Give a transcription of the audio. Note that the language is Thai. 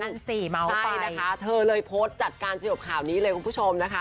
ตนสีเม้าส์ไปเธอเลยโพสต์จัดการเสียบข่าวดีเลยนะค่ะ